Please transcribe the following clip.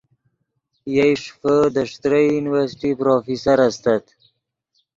یئے ݰیفے دے ݯتریئی یونیورسٹی پروفیسر استت